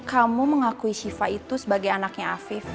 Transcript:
kamu mengakui syifa itu sebagai anaknya afif